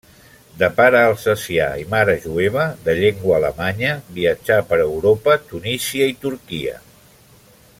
De pare alsacià i mare jueva de llengua alemanya, viatjà per Europa, Tunísia i Turquia.